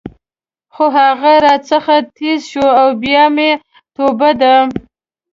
خو هغه راڅخه ټیز شو او بیا مې توبه ده.